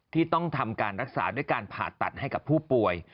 ที่ต้องทำการรักษาด้วยการผ่าตัดให้กับผู้ป่วย